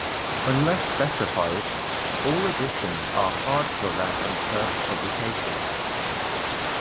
Unless specified, all editions are hardcover and first publications.